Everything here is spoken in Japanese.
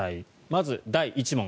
まず、第１問。